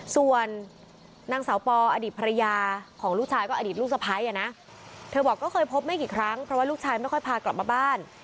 ส่วนนางสาวปออดีตภรรยาของลูกชายก็อดีตลูกสะพ้ายนะเธอบอกก็เคยพบไม่กี่ครั้งเพราะว่าลูกชายไม่ค่อยพากลับมาบ้าน